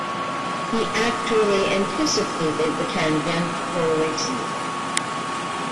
He actually anticipated the Tangentopoli season.